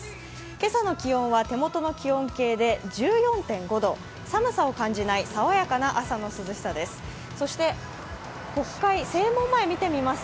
今朝の気温は手元の気温計で１４．５度寒さを感じない爽やかな朝の涼しさです。